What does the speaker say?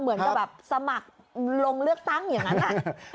เหมือนกับแบบสมัครลงเลือกตั้งอย่างนั้นอะ